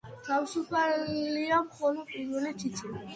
თავისუფალია მხოლოდ პირველი თითი.